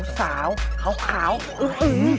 สาวเขาขาวอึ้ม